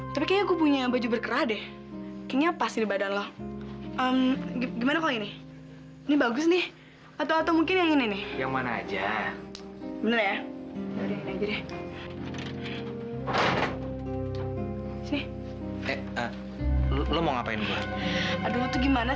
sampai jumpa di video selanjutnya